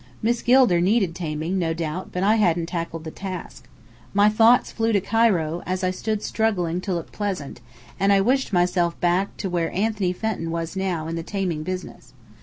Miss Gilder needed taming, no doubt, but I hadn't tackled the task. My thoughts flew to Cairo, as I stood struggling to look pleasant; and I wished myself back where Anthony Fenton was now in the taming business.